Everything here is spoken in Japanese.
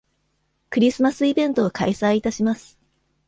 クリスマスイベントを開催いたします